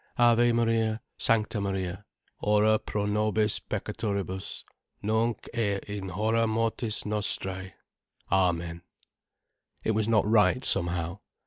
Ave Maria, Sancta Maria, ora pro nobis peccatoribus, nunc et in hora mortis nostrae, Amen." It was not right, somehow.